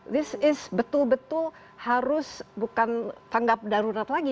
this is betul betul harus bukan tanggap darurat lagi